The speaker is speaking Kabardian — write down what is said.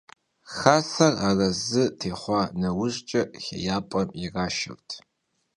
Хасэр арэзы техъуа нэужькӀэ хеяпӀэм ирашэрт.